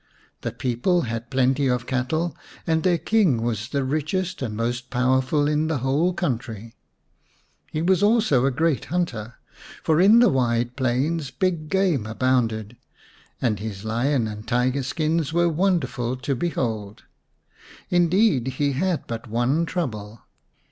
The people had plenty of cattle, and their King was the richest and most powerful in the whole country. He was also a great hunter, for in the wide plains big game abounded, and his lion and tiger skins were wonderful to behold. Indeed, he had but one trouble.